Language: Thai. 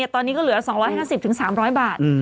ตอนนี้ก็เหลือ๒๕๐๓๐๐บาท